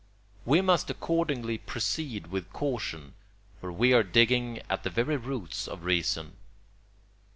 We must accordingly proceed with caution, for we are digging at the very roots of reason.